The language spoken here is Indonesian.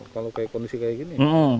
kalau kondisi kayak gini